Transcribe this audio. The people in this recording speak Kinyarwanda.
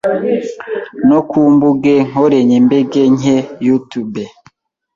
no ku mbuge nkorenyembege nke Youtube,